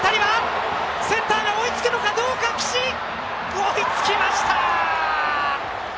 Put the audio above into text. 追いつきました！